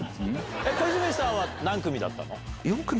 小泉さんは何組だったの？